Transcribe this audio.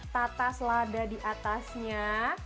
tatas lada diatasnya